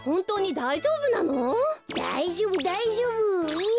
だいじょうぶだいじょうぶいや